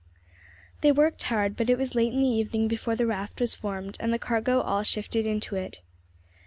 They worked hard, but it was late in the evening before the raft was formed and the cargo all shifted into it.